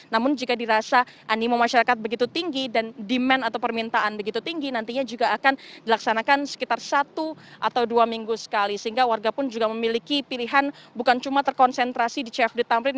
namun jika dirasa animo masyarakat begitu tinggi dan demand atau permintaan begitu tinggi nantinya juga akan dilaksanakan sekitar satu atau dua minggu sekali sehingga warga pun juga memiliki pilihan bukan cuma terkonsentrasi di cfd tamrin